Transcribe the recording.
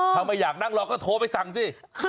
ถ้าไม่อยากนั่งรอก็โทรไปสั่งสิ